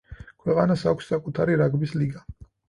ქვეყანას აქვს საკუთარი რაგბის ლიგა.